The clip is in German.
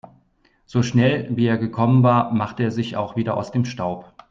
So schnell, wie er gekommen war, machte er sich auch wieder aus dem Staub.